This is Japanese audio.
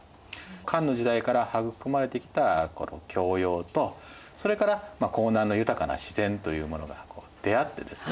漢の時代から育まれてきた教養とそれから江南の豊かな自然というものが出会ってですね